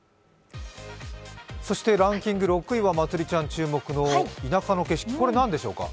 そしてランキング６位はまつりちゃん注目の田舎の景色、これ、何でしょうか？